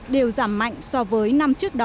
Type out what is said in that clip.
đều giảm mạnh so với năm trước đó